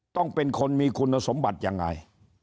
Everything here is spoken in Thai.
ต้องเป็นคนมีคุณสมบัติยังไง